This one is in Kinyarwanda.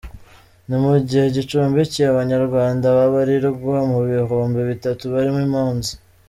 Ni mu gihe gicumbikiye Abanyarwanda babarirwa mu bihumbi bitatu barimo impunzi.